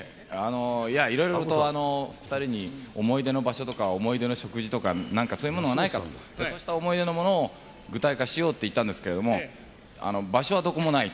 いや、いろいろと２人に思い出の場所とか、思い出の食事とか、なんかそういうものはないかと、そうした思い出のものを具体化しようと言ったんですけれども、場所はどこもない。